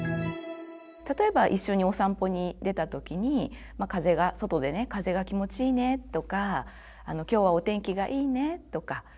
例えば一緒にお散歩に出た時に外でね「風が気持ちいいね」とか「今日はお天気がいいね」とか。